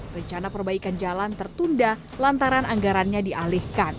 rencana perbaikan jalan tertunda lantaran anggarannya dialihkan